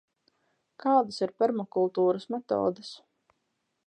Kādas ir permakultūras metodes?